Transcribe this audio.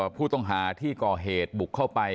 ผู้ต้องหาที่ก่อเหตุบุกเข้าไป